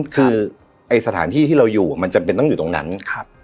คือไอ้สถานที่ที่เราอยู่มันจำเป็นต้องอยู่ตรงนั้น